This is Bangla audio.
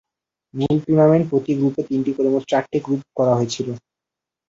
মূল টুর্নামেন্টে প্রতি গ্রুপে তিনটি করে মোট চারটি গ্রুপ করা হয়েছিল।